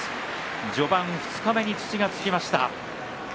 二日目に土がつきました。